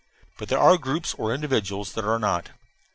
But there are groups or individuals that are not.